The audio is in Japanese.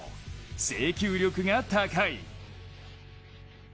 制球力が高い。